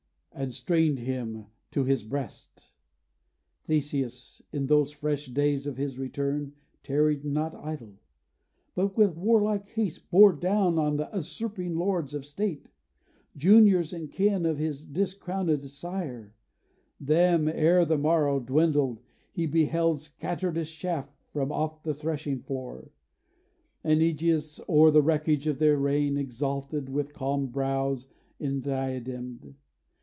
and strained him to his breast. Theseus, in those fresh days of his return, Tarried not idle; but with warlike haste Bore down on the usurping lords of state, Juniors and kin of his discrownèd sire; Them, ere the morrow dwindled, he beheld Scattered as chaff from off the threshing floor, And Ægeus, o'er the wreckage of their reign Exalted, with calm brows indiademed.